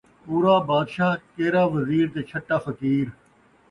پورا بادشاہ، کیرا وزیر تے چھٹا فقیر